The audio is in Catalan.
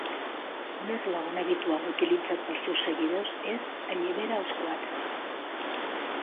Un eslògan habitual utilitzat pels seus seguidors és Allibera als Quatre.